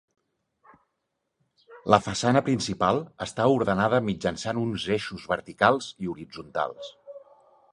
La façana principal està ordenada mitjançant uns eixos verticals i horitzontals.